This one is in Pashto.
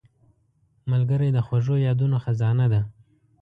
ملګری د خوږو یادونو خزانه ده